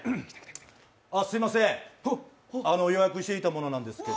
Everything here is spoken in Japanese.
すみません予約していた者なんですけど。